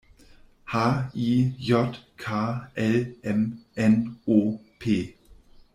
H-I-J-K-L-M-N-O-P!